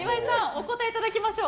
お答えいただきましょう。